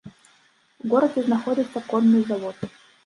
У горадзе знаходзіцца конны завод.